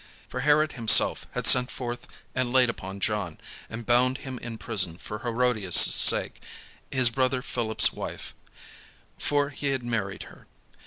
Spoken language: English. For Herod himself had sent forth and laid hold upon John, and bound him in prison for Herodias' sake, his brother Philip's wife: for he had married her.